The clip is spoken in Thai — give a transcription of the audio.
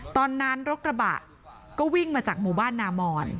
ตอนนั้นรกระบะก็วิ่งมาจากหมู่บ้านนามอน